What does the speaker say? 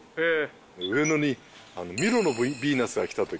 上野にミロのビーナスが来たとき。